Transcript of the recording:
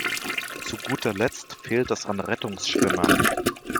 Zu guter Letzt fehlt es an Rettungsschwimmern.